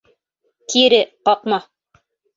Кире ҡаҡма.